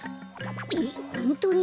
えっホントに？